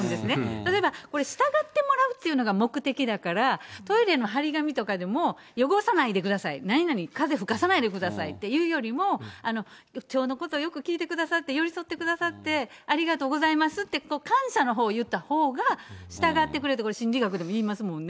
例えば、これ、従ってもらうっていうのが目的だから、トイレの貼り紙とかでも、汚さないでください、何々風吹かさないでくださいっていうよりも、町のことよく聞いてくださって、寄り添ってくださって、ありがとうございますって、感謝のほうを言ったほうが、従ってくれるってこれ、心理学でもいいますもんね。